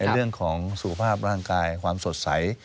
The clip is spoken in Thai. เรื่องของสุขภาพร่างกายความสดใส